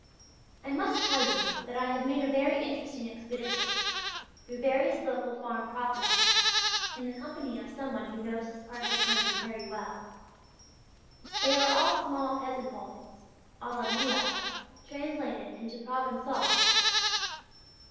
I must tell you that I have made a very interesting expedition through various local farm properties, in the company of some one who knows this part of the country very well. They are all small peasant holdings, à la Millet, translated into Provençal.